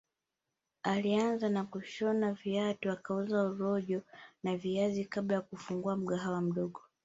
Alianza kwa kushona viatu akauza urojo na viazi kabla ya kufungua mgawaha mdogo